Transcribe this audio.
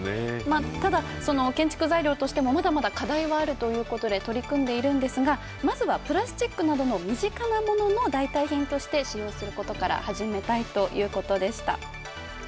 ただ、建築材料としてもまだまだ課題はあるということで取り組んでいるんですがまずはプラスチックなどの身近なものの代替品として使用することから始めたいということでした。